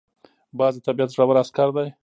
باز د طبیعت زړور عسکر دی